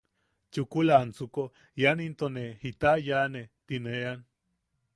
Chukula ansuko ¿ian into ne jita yaane? ti ne ean.